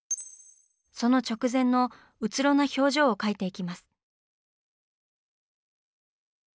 その直前のうつろな表情を描いていきます。